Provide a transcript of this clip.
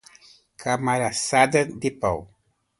Camaçada de pau